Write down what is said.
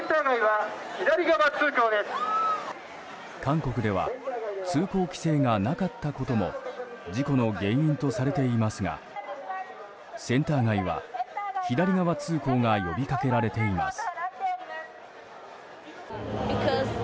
韓国では通行規制がなかったことも事故の原因とされていますがセンター街は左側通行が呼びかけられています。